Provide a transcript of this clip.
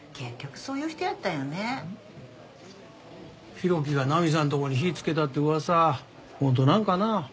浩喜がナミさんとこに火つけたって噂本当なんかな？